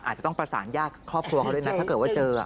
อาจจะต้องประสานญาติครอบครัวเขาด้วยนะถ้าเกิดว่าเจอ